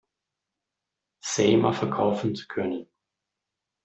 Saeima verkaufen zu können.